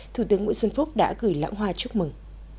thủ tướng nguyễn xuân phúc đã gửi lãng hoa chúc mừng